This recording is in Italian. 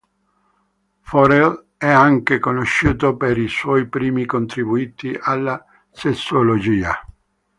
Forel è anche conosciuto per i suoi primi contributi alla sessuologia.